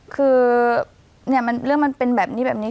คือเรื่องมันเป็นแบบนี้แบบนี้